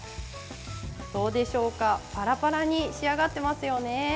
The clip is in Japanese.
どうでしょうかパラパラに仕上がっていますよね。